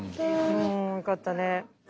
うんよかったね。